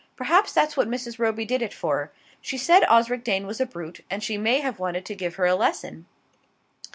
"Perhaps that's what Mrs. Roby did it for. She said Osric Dane was a brute, and she may have wanted to give her a lesson."